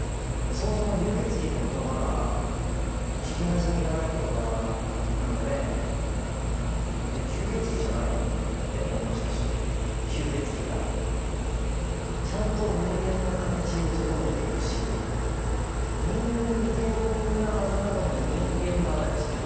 そもそも流血鬼って言葉が聞きなじみがない言葉なので「えっ吸血鬼じゃないの？」って思いましたし吸血鬼がちゃんと人間の形をとどめているし人間なはずなのに人間ばなれしてる感じがこう迫ってきてる。